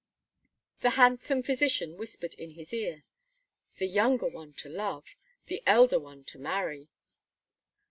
The handsome physician whispered in his ear: "The younger one, to love; the elder one, to marry."